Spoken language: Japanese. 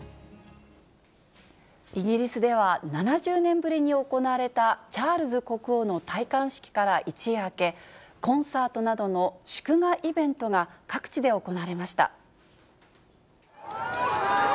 イギリスでは７０年ぶりに行われたチャールズ国王の戴冠式から一夜明け、コンサートなどの祝賀イベントが各地で行われました。